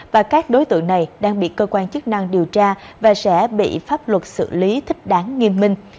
và các đối tượng này đang bị cơ quan chức năng điều tra và sẽ bị pháp luật xử lý thích đáng nghiêm minh